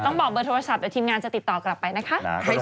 บอกเบอร์โทรศัพท์เดี๋ยวทีมงานจะติดต่อกลับไปนะคะ